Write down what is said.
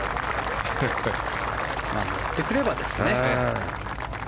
持ってくればですね。